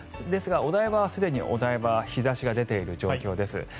ですが、お台場はすでに日差しが出ている状況です。